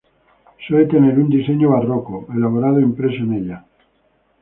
Suele tener un diseño barroco elaborado impreso en ella.